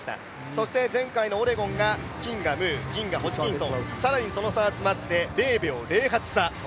そして前回のオレゴンが金がムー、銀がホジキンソン、更にその差が詰まって０．０８差。